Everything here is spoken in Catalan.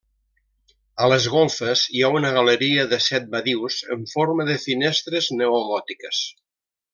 A les golfes hi ha una galeria de set badius en forma de finestres neogòtiques.